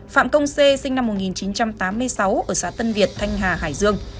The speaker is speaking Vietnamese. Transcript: phạm công sê sinh năm một nghìn chín trăm tám mươi sáu ở xã tân việt thanh hà hải dương